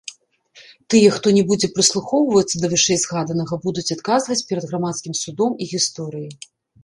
Тыя, хто не будзе прыслухоўвацца да вышэйзгаданага, будуць адказваць перад грамадскім судом і гісторыяй.